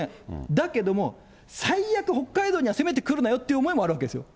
だけども、最悪、北海道には攻めてくるなよっていう思いもあるわけですよ。